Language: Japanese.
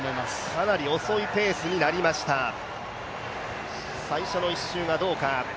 かなり遅いペースになりました、最初の１周がどうか。